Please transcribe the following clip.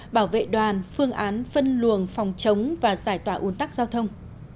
bảo vệ đoàn phương án phân luồng phòng chống và giải tỏa uốn tắc giao thông